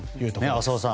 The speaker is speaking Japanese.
浅尾さん